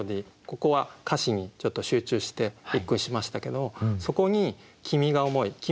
ここは「歌詞」にちょっと集中して一句にしましたけどそこに「君が思ひ」。